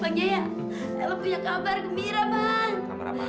bagian elok punya kabar gembira bang